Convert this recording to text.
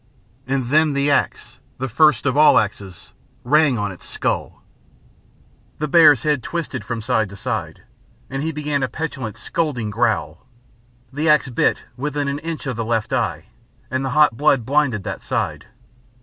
And then the axe, the first of all axes, rang on its skull. The bear's head twisted from side to side, and he began a petulant scolding growl. The axe bit within an inch of the left eye, and the hot blood blinded that side.